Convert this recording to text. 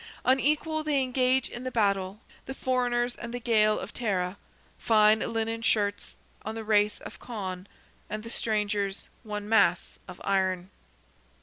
"Unequal they engage in the battle, The foreigners and the Gael of Tara, Fine linen shirts on the race of Conn, And the strangers one mass of iron."